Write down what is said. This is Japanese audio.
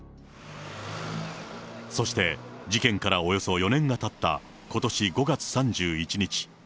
そして事件からおよそ４年がたったことし５月３１日。